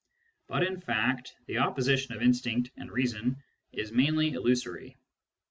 But in fact the opposition of instinct and reason is mainly illusory.